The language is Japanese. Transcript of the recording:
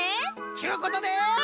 ちゅうことで。